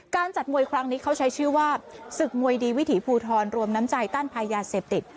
จัดมวยครั้งนี้เขาใช้ชื่อว่าศึกมวยดีวิถีภูทรรวมน้ำใจต้านภัยยาเสพติด